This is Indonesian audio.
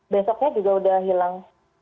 besoknya juga sudah hilang